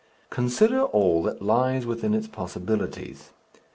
Consider all that lies within its possibilities.